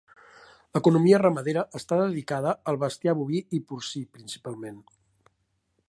L'economia ramadera està dedicada al bestiar boví i porcí principalment.